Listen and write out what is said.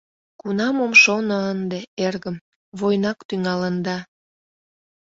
— Кунам ом шоно ынде, эргым, войнак тӱҥалын да!